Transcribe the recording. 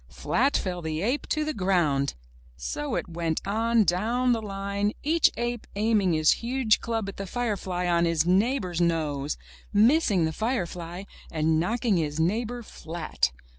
Flat fell the ape to the ground ! So it went on down the line, each ape aiming his huge club at the firefly on his neighbor's nose, missing the firefly, and knocking his neighbor flat.